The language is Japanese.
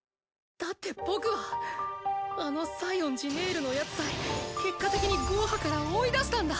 だって僕はあの西園寺ネイルのやつさえ結果的にゴーハから追い出したんだ。